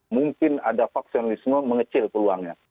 mungkin ada faksionalisme mengecil peluangnya